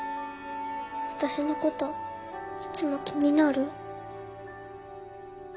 私のこといつも気になる？